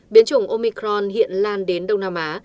biến chủng omicron hiện lan đến đông nam á